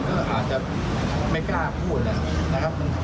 ผมเชื่อว่าคนอีกจังหวัดหนึ่งก็อาจจะไม่กล้าพูดนะครับ